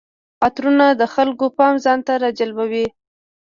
عطرونه د خلکو پام ځان ته راجلبوي.